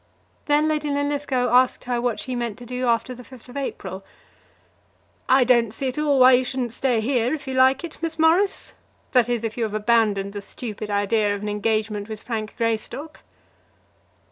Then Lady Linlithgow asked her what she meant to do after the 5th of April. "I don't see at all why you shouldn't stay here, if you like it, Miss Morris; that is, if you have abandoned the stupid idea of an engagement with Frank Greystock."